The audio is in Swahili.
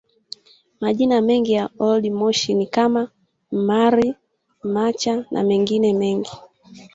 Majina mengine ya Old Moshi ni kama Mmari Macha na mengine mengi